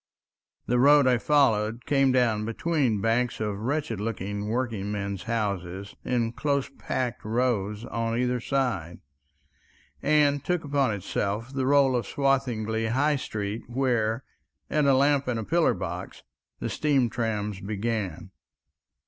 The road I followed came down between banks of wretched looking working men's houses, in close packed rows on either side, and took upon itself the rôle of Swathinglea High Street, where, at a lamp and a pillar box, the steam trams began.